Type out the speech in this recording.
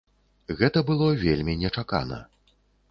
Гэта было вельмі нечакана.